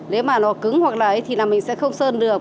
nếu mà nó cứng hoặc là thì là mình sẽ không sơn được